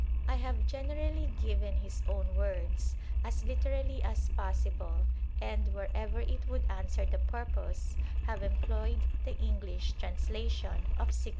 1 have generally given his own words, as literally as possible, and, wherever it would answer the purpose, have employed the English translation of 1678.